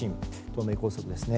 東名高速ですね。